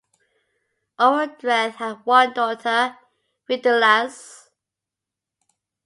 Orodreth had one daughter: Finduilas.